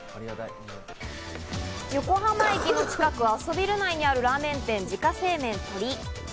横浜駅の近くアソビル内にあるラーメン店「自家製麺酉」。